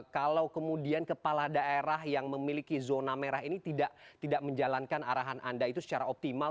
kalau kemudian kepala daerah yang memiliki zona merah ini tidak menjalankan arahan anda itu secara optimal